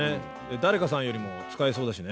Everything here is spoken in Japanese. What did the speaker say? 誰かさんよりも使えそうだしね。